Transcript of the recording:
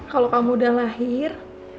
kalau kamu udah lahir